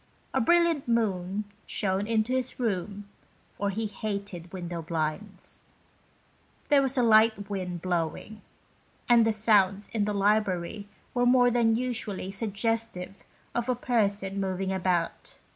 A brilliant moon shone into his room, for he hated window blinds. There was a light wind blowing, and the sounds in the library were more than usually suggestive of a person moving about.